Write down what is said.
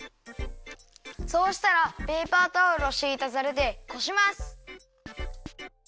そうしたらペーパータオルをしいたざるでこします。